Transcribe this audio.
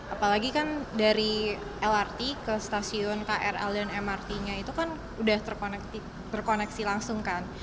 apalagi kan dari lrt ke stasiun krl dan mrt nya itu kan udah terkoneksi langsung kan